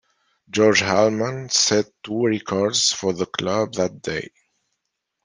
George Hallam set two records for the club that day.